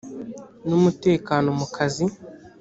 n umutekano mu kazi